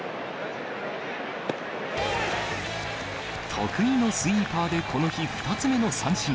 得意のスイーパーで、この日、２つ目の三振。